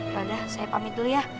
padahal saya pamit dulu ya